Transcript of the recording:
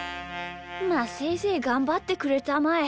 まあせいぜいがんばってくれたまえ。